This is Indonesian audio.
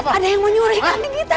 tunggal ada yang mau nyuruh kami